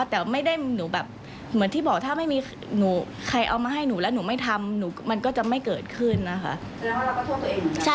แต่พอเหมือนที่บอกว่าร้องไปมันก็ออกมาไม่ได้